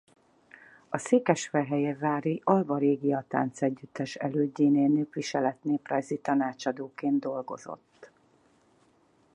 A székesfehérvári Alba Regia Táncegyüttes elődjénél népviselet-néprajzi tanácsadóként dolgozott.